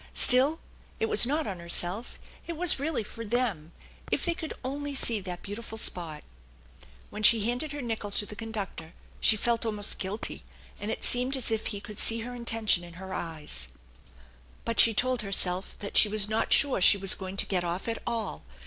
Still, it was not on herself; it was really for them. If they could only see that beautiful spot ! When she handed her nickel to the conductor, she felt almost guilty, and it seemed as if he could see her intention in her eyes; but she told herself that she was not sure she was going to get off at all.